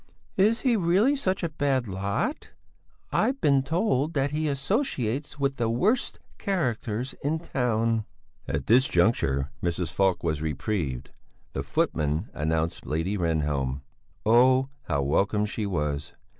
"Is he really such a bad lot? I've been told that he associates with the worst characters in town...." At this juncture Mrs. Falk was reprieved; the footman announced Lady Rehnhjelm. Oh! How welcome she was!